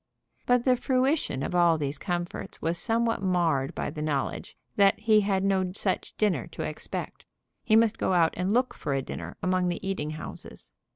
But the fruition of all these comforts was somewhat marred by the knowledge that he had no such dinner to expect. He must go out and look for a dinner among the eating houses.